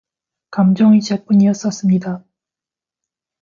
감정의 재뿐이었었습니다.